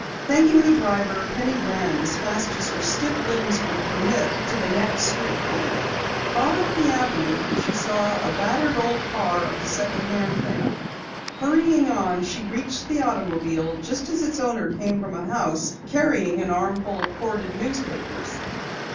Thanking the driver, Penny ran as fast as her stiff limbs would permit to the next street corner. Far up the avenue she saw a battered old car of the second hand man. Hurrying on, she reached the automobile just as its owner came from a house carrying an armful of corded newspapers.